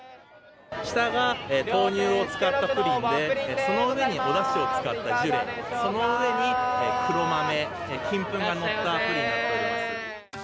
下が豆乳を使ったプリンで、その上におだしを使ったジュレ、その上に黒豆、金粉が載ったプリンになっております。